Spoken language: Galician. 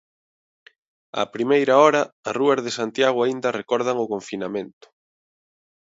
Á primeira hora, as rúas de Santiago aínda recordan o confinamento.